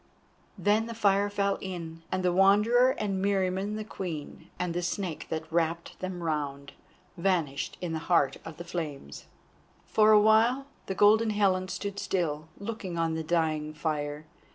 Then the fire fell in, and the Wanderer and Meriamun the Queen, and the Snake that wrapped them round, vanished in the heart of the flames. For awhile the Golden Helen stood still, looking on the dying fire.